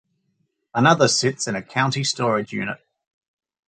Another sits in a county storage unit.